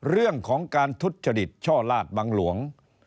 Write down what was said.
เรื่องของการทุจจริตช่อลาดบังหลวง